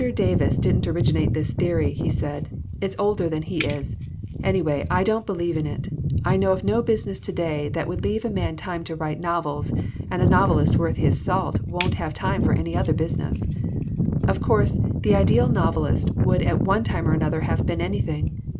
Davis didn't originate this theory," he said. "It's older than he is. Anyway, I don't believe in it. I know of no business to day that would leave a man time to write novels, and a novelist worth his salt won't have time for any other business. "Of course, the ideal novelist would at one time or another have been anything.